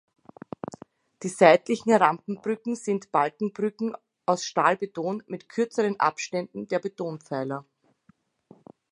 Die seitlichen Rampenbrücken sind Balkenbrücken aus Stahlbeton mit kürzeren Abständen der Betonpfeiler.